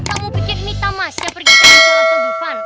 kamu pikir ini tamasnya pergi jalan jalan tau bufan